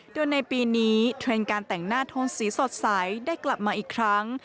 โดยในปีนี้เทรนด์การแต่งหน้าโทนสีสดใสได้กลับมาอีกครั้ง